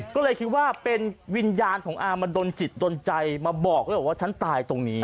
ก็เลยคิดว่าเป็นวิญญาณของอามาดนจิตดนใจมาบอกเลยว่าฉันตายตรงนี้